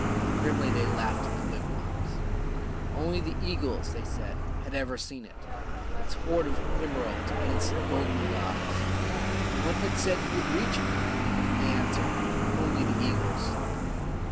Grimly they laughed in the wigwams. Only the eagles, they said, had ever seen it, its hoard of emeralds and its golden gods; and one had said he would reach it, and they answered, "Only the eagles."